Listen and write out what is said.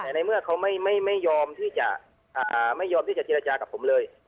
แต่ในเมื่อเขาไม่ยอมที่จะไม่ยอมที่จะเจรจากับผมเลย